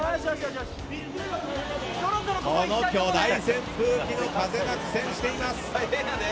この巨大扇風機の風に苦戦しています。